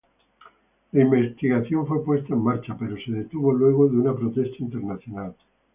La investigación fue puesta en marcha, pero se detuvo luego de una protesta internacional.